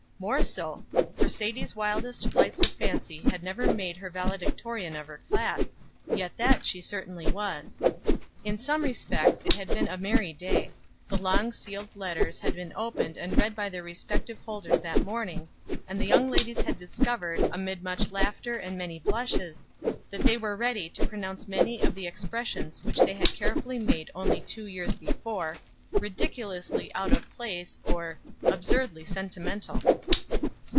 More so, for Sadie's wildest flights of fancy had never made her valedictorian of her class, yet that she certainly was. In some respects it had been a merry day the long sealed letters had been opened and read by their respective holders that morning, and the young ladies had discovered, amid much laughter and many blushes, that they were ready to pronounce many of the expressions which they had carefully made only two years before, "ridiculously out of place" or "absurdly sentimental."